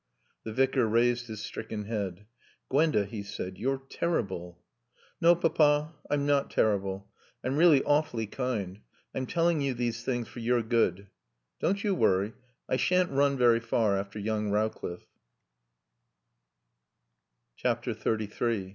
The Vicar raised his stricken head. "Gwenda," he said, "you're terrible." "No, Papa, I'm not terrible. I'm really awfully kind. I'm telling you these things for your good. Don't you worry. I shan't run very far after young Rowcliffe."